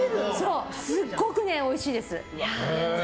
すごくおいしいです。